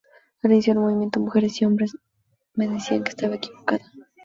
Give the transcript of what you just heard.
Al inicio del movimiento, mujeres y hombres me decían que estaba equivocada.